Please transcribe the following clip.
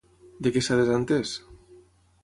De què s'ha desentès?